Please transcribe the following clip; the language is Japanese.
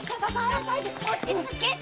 落ち着けっ！